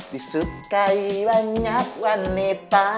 disukai banyak wanita